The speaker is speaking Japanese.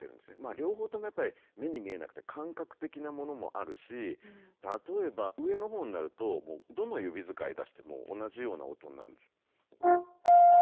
両方ともやっぱり目に見えなくて感覚的なものもあるし例えば上のほうになるとどの指使いで出しても同じような音になるんです。